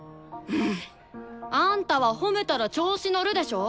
あんたは褒めたら調子乗るでしょ。